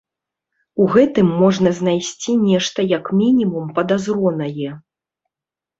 У гэтым можна знайсці нешта як мінімум падазронае.